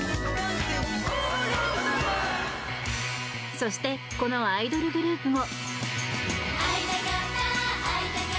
そしてこのアイドルグループも。